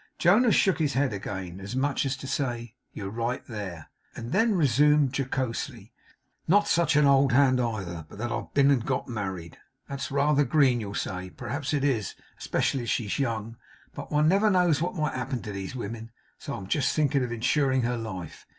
Jonas shook his head again, as much as to say, 'You're right there;' And then resumed, jocosely: 'Not such an old hand, either, but that I've been and got married. That's rather green, you'll say. Perhaps it is, especially as she's young. But one never knows what may happen to these women, so I'm thinking of insuring her life.